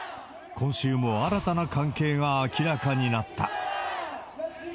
今週も新たな関係が明らかになった。